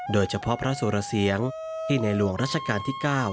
โดยเฉพาะพระสุรเสียงที่ในหลวงรัชกาลที่๙